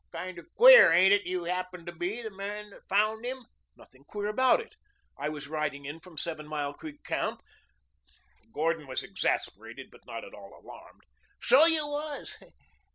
Kinder queer, ain't it, you happened to be the man that found him?" "Nothing queer about it. I was riding in from Seven Mile Creek Camp." Gordon was exasperated, but not at all alarmed. "So you was.